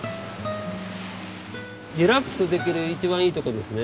リラックスできる一番いいとこですね。